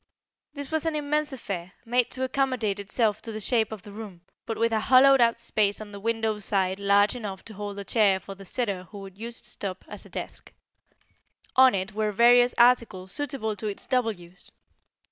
This was an immense affair, made to accommodate itself to the shape of the room, but with a hollowed out space on the window side large enough to hold a chair for the sitter who would use its top as a desk. On it were various articles suitable to its double use.